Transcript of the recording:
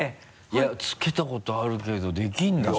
いやつけたことあるけどできるんだ